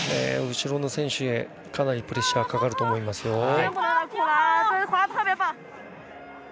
後ろの選手へかなりプレッシャーかかると思いますよ。